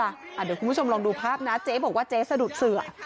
เดี๋ยวคุณผู้ชมลองดูภาพนะเจ๊บอกว่าเจ๊สะดุดเสือ